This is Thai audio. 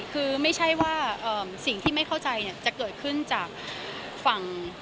คือไม่ใช่ว่าสิ่งที่ไม่เข้าใจจะเกิดขึ้นจากฝั่ง